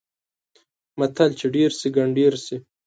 متل: چې ډېر شي؛ ګنډېر شي.